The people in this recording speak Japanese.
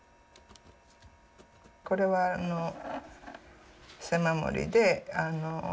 これは背守りで。